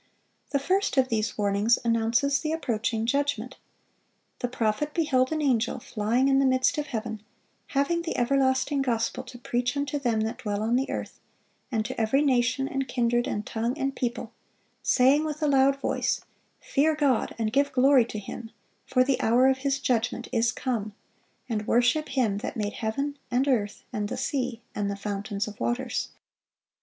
The first of these warnings announces the approaching judgment. The prophet beheld an angel flying "in the midst of heaven, having the everlasting gospel to preach unto them that dwell on the earth, and to every nation, and kindred, and tongue, and people, saying with a loud voice, Fear God, and give glory to Him; for the hour of His judgment is come: and worship Him that made heaven, and earth, and the sea, and the fountains of waters."